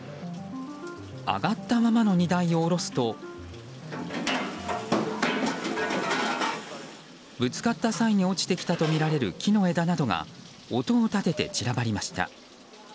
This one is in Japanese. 上がったままの荷台を下ろすとぶつかった際に落ちてきたとみられる木の枝などが音を立てて散らばりました。